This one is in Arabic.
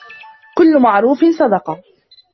كُلُّ مَعْرُوفٍ صَدَقَةٌ